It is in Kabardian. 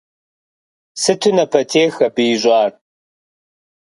Сыту напэтех абы ищӏар.